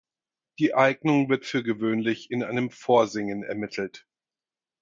Die Eignung wird für gewöhnlich in einem Vorsingen ermittelt.